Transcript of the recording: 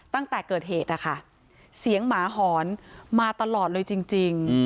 ตั้งแต่เกิดเหตุนะคะเสียงหมาหอนมาตลอดเลยจริง